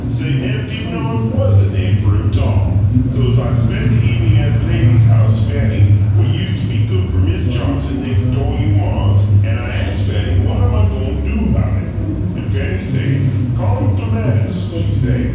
Say nev' did know if WAS a name fer him 'tall. So I'z spen' the evenin' at 'at lady's house, Fanny, what used to be cook fer Miz Johnson, nex' do' you' maw's; an' I ast Fanny what am I go'n' a do about it, an' Fanny say, 'Call him Clematis,' she say.